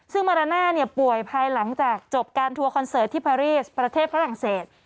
ซึ่งมาดาน่าป่วยภายหลังจากจบการทัวร์คอนเสิร์ตที่พารีสประเทศฝรั่งเศส